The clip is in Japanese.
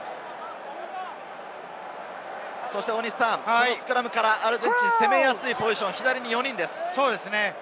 このスクラムからアルゼンチン、攻めやすいポジション、左に４人です。